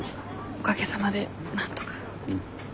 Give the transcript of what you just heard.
おかげさまでなんとか。